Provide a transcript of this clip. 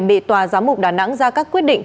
bị tòa giám mục đà nẵng ra các quyết định